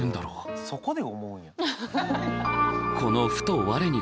そこで思うんや。